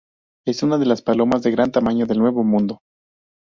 Es una de las palomas de gran tamaño del Nuevo Mundo.